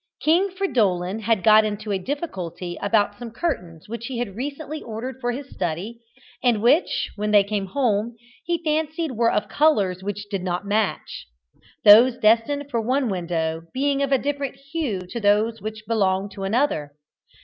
King Fridolin had got into a difficulty about some curtains which he had recently ordered for his study, and which, when they came home, he fancied were of colours which did not match; those destined for one window being of a different hue to those which belonged to another.